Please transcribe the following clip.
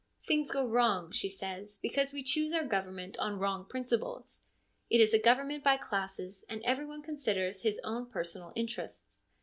Things go wrong [she says] because we choose our government on wrong principles. It is a government by classes, and every one considers his own personal interests.